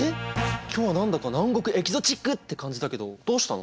今日は何だか南国エキゾチックって感じだけどどうしたの？